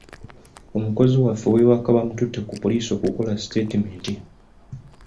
Omukozi waffe ow’ewaka baamututte ku poliisi okukola sitatimenti.